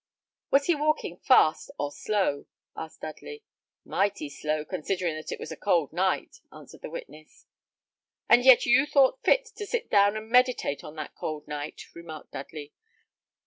"Was he walking fast or slow?" asked Dudley. "Mighty slow, considering that it was a cold night," answered the witness. "And yet you thought fit to sit down and meditate on that cold night," remarked Dudley.